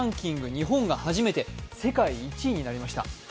日本が初めて世界１位になりました。